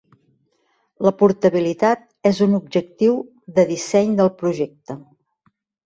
La portabilitat és un objectiu de disseny del projecte.